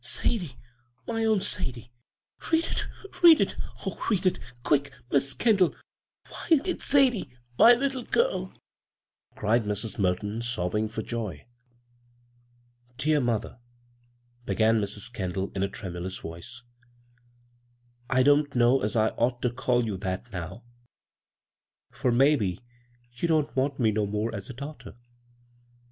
Sadie? My own Sadie? Read it — read it — oh, read it quick, Mis' Kendall I Why, it's Sadie, my little girl I " cried Mrs. Merton, sobbing for joy. '' Dear Mother,' " began Mrs. Kendall in a tremulous voice. "' I don't know as I ought to call you that now, for maybe you don't want me no more as a daughter.